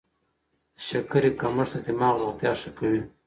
د شکرې کمښت د دماغ روغتیا ښه کوي.